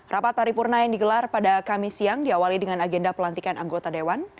rapat paripurna yang digelar pada kamis siang diawali dengan agenda pelantikan anggota dewan